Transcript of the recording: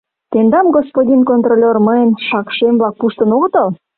Тендам, господин контролёр, мыйын шакшем-влак пуштын огытыл?